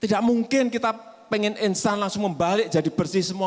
tidak mungkin kita pengen instan langsung membalik jadi bersih semua